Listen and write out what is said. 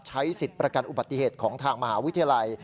ใช้สิทธิ์ประกันอุบัติเหตุของทางมหาวิทยาลัย